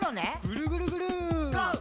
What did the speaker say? ぐるぐるぐる。